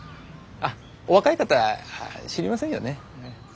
あっお若い方知りませんよね。